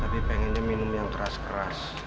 tapi pengennya minum yang keras keras